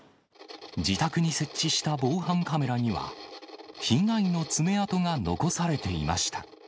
自宅に設置した防犯カメラには、被害の爪痕が残されていました。